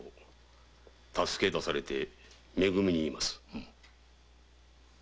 助け出されてめ組にいます。